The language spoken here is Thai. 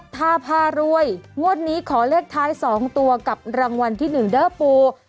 พารวยงวดนี้ขอเลขท้าย๒ตัวกับรางวัลที่๑เด้อปู